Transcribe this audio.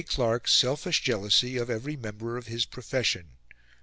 Clark's selfish jealousy of every member of his profession."